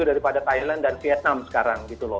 daripada thailand dan vietnam sekarang